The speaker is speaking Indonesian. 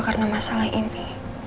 karena masalah ini